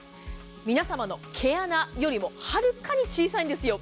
皆さまの毛穴よりもはるかに小さいんですよ。